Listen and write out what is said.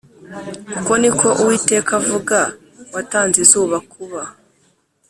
Uko ni ko Uwiteka avuga watanze izuba kuba